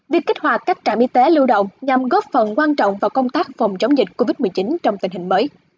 việc kích hoạt các trạm y tế lưu động nhằm góp phần quan trọng vào công tác phòng chống dịch covid một mươi chín trong tình hình mới